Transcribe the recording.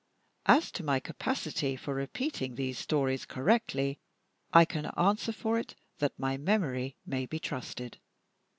As to my capacity for repeating these stories correctly, I can answer for it that my memory may be trusted.